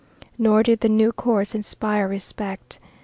Nor did the new courts inspire respect.